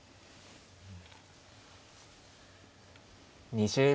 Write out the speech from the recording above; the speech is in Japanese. ２０秒。